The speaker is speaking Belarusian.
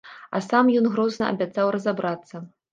А сам ён грозна абяцаў разабрацца.